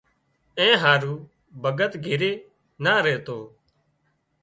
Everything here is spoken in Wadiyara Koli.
اين هارو ڀڳت گھري نا ريتو